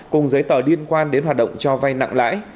cùng giấy tờ liên quan đến hoạt động cho vay nặng lãi